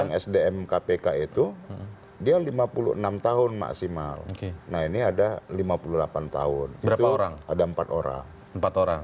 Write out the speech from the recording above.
yang sdm kpk itu dia lima puluh enam tahun maksimal nah ini ada lima puluh delapan tahun itu orang ada empat orang empat orang